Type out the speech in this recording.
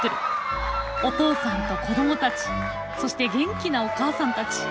お父さんと子どもたちそして元気なお母さんたち。